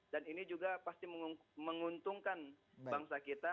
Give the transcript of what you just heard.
dan ini juga pasti menguntungkan bangsa kita